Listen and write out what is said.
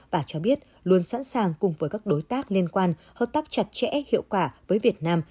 và cho biết luôn sẵn sàng cùng với các đối tác liên quan hợp tác chặt chẽ hiệu quả với việt nam